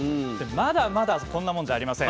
まだまだこんなもんじゃありません。